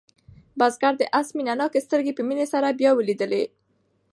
بزګر د آس مینه ناکې سترګې په مینه سره بیا ولیدلې.